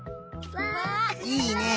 いいね。